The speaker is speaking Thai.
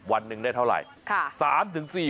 วันหนึ่งได้เท่าไหร่